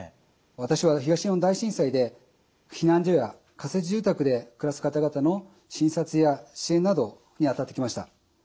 私は東日本大震災で避難所や仮設住宅で暮らす方々の診察や支援などにあたってきました。